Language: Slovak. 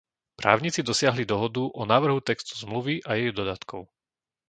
Právnici dosiahli dohodu o návrhu textu Zmluvy a jej dodatkov.